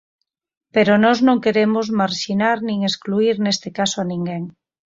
Pero nós non queremos marxinar nin excluír neste caso a ninguén.